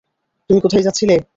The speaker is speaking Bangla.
তুমি কোথায় যাচ্ছিলে?